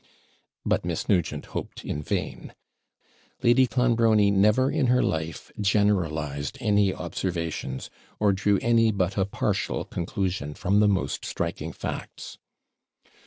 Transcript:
But Miss Nugent hoped in vain. Lady Clonbrony never in her life generalised any observations, or drew any but a partial conclusion from the most striking facts.